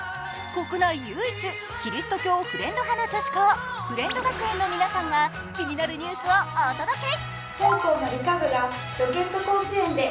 国内唯一、キリスト教フレンド派の女子校、普連土学園の皆さんが、気になるニュースをお届け。